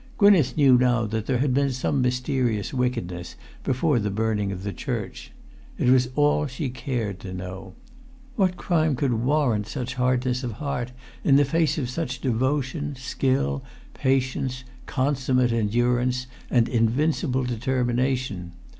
Gwynneth knew now that there had been some mysterious wickedness before the burning of the church. It was all she cared to know. What[Pg 309] crime could warrant such hardness of heart in the face of such devotion, skill, patience, consummate endurance, and invincible determination?